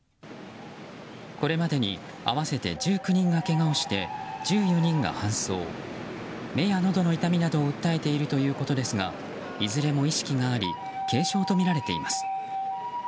これまでに合わせて１９人がけがをして１４人が搬送目やのどの痛みなどを訴えているということですがいずれも意識があり軽症とみられています。